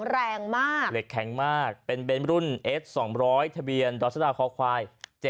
รถบรรยาย